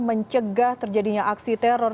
mencegah terjadinya aksi teror